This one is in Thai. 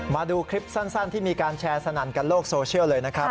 มาดูคลิปสั้นที่มีการแชร์สนั่นกันโลกโซเชียลเลยนะครับ